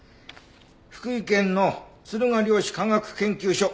福井県の敦賀量子科学研究所。